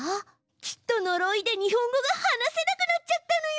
きっとのろいで日本語が話せなくなっちゃったのよ！